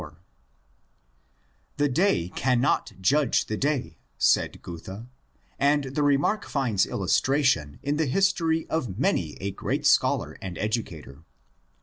^^ The day cannot judge the day," said Goethe, and the re mark finds illustration in the history of many a great scholar and educator.